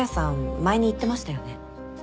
前に言ってましたよね？